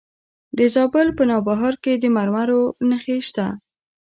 د زابل په نوبهار کې د مرمرو نښې شته.